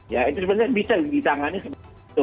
ya itu sebenarnya bisa di tangannya seperti itu